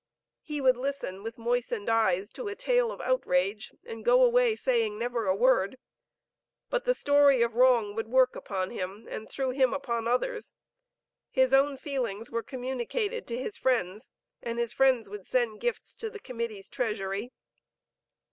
He would listen with moistened eyes to a tale of outrage, and go away saying never a word. But the story of wrong would work upon him; and through him upon others. His own feelings were communicated to his friends, and his friends would send gifts to the Committee's treasury.